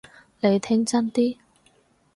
你聽真啲！